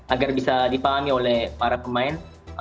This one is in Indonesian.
agar bisa dipahami oleh para pemain